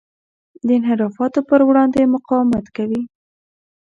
د انحرافاتو پر وړاندې مقاومت کوي.